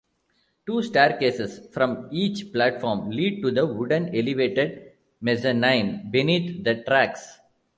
Two staircases from each platform lead to the wooden elevated mezzanine beneath the tracks.